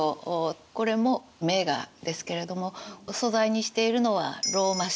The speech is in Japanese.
これも名画ですけれども素材にしているのはローマ神話。